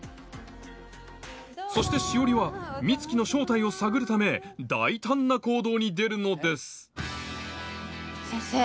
そして詩織は美月の正体を探るため大胆な行動に出るのです先生